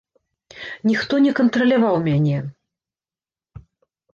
Ніхто не кантраляваў мяне.